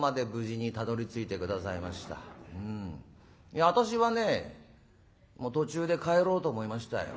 いや私はねもう途中で帰ろうと思いましたよ。